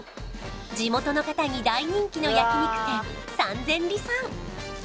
地元の方に大人気の焼肉店三千里さん